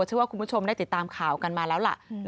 ถึงว่าคุณผู้ชมได้ติดตามข่าวกันมาแล้ว